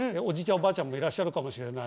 おばあちゃんもいらっしゃるかもしれない。